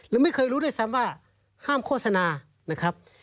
และไม่เคยรู้ด้วยซ้ำว่าห้ามโฆษณานะครับ